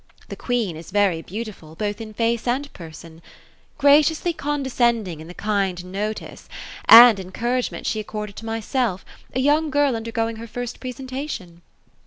The queen is very beautiful, both in fiioe and person. Graciously condescending in the kind notice and en THE ROSE OF ELSINORE. 235 oouragement she accorded to myself — a young gtrl nndcrgoing her first presentation."